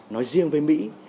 nói riêng với mỹ